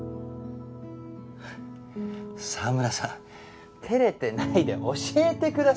澤村さん照れてないで教えてくださいよ。